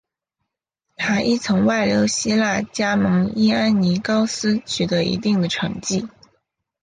他亦曾外流希腊加盟伊安尼高斯取得一定的成绩。